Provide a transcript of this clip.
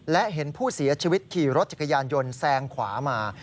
และเห็นผู้เสียชีวิตขี่รถจักรยานยนต์แซงขวามา